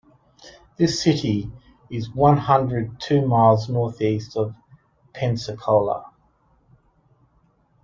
This city is one hundred two miles northeast of Pensacola.